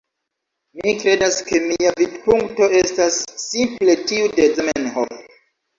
Mi kredas ke mia vidpunkto estas simple tiu de Zamenhof.